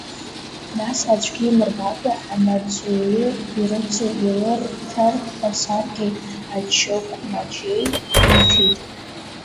Нас аӡәгьы имырбакәа амаҵуҩы ирыцу илырҭартә асаркьеи ачықьмаџьеи риҭеит.